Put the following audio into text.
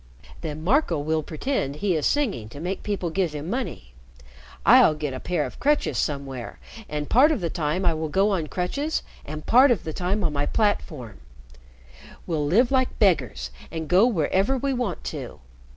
"Then Marco will pretend he is singing to make people give him money. I'll get a pair of crutches somewhere, and part of the time I will go on crutches and part of the time on my platform. We'll live like beggars and go wherever we want to.